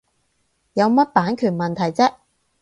有乜版權問題啫